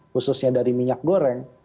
khususnya dari minyak goreng